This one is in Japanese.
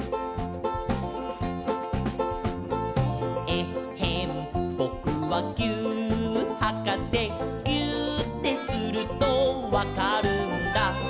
「えっへんぼくはぎゅーっはかせ」「ぎゅーってするとわかるんだ」